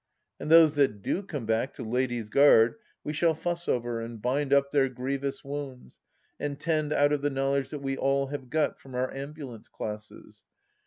... And those that do come back to Ladies' Gard, we shall fuss over, and bind up their grievous wounds, and tend out of the knowledge we have all got from our Ambulance classes.